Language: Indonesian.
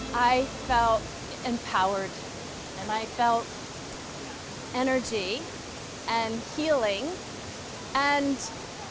saya merasa diberdayakan dan merasa ada tenaga dan penyembuhan